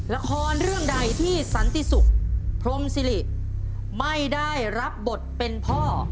ละครเรื่องใดที่สันติสุขพรมสิริไม่ได้รับบทเป็นพ่อ